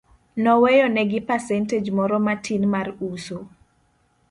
Noweyo ne gi pasenteg moro matin mar uso.